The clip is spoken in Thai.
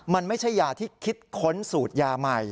มันไม่ใช่ยาที่คิดค้นสูตรยาใหม่